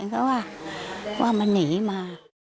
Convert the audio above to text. ก็ว่ามันหนีมา